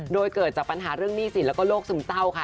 โดยเกิดจากปัญหาเรื่องหนี้สินแล้วก็โรคซึมเศร้าค่ะ